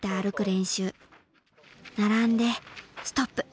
練習並んでストップ！